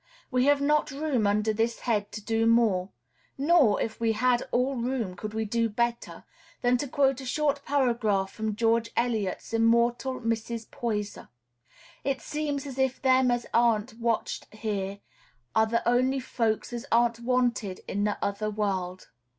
We have not room under this head to do more nor, if we had all room, could we do better than to quote a short paragraph from George Eliot's immortal Mrs. Poyser: "It seems as if them as aren't wanted here are th' only folks as aren't wanted i' th' other world."